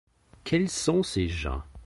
Quels sont ces gens ?